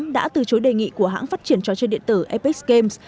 đã từ chối đề nghị của hãng phát triển trò chơi điện tử apex games